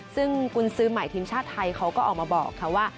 ซึ่งกุญซื้อใหม่ทีมชาติไทยเขาก็ออกมาบอกค่ะว่า